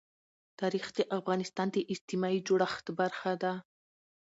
تاریخ د افغانستان د اجتماعي جوړښت برخه ده.